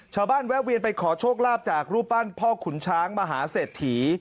ชาวบ้านแวะเวียนไปขอโชคล่าปจากรูปปั้นพ่อขุนช้างมหาเสธถี่